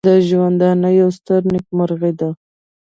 د ژوندانه یوه ستره نېکمرغي ده.